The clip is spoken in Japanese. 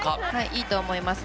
いいと思います。